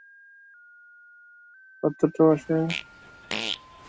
বামে, ছোট্ট পাথরটার পাশে।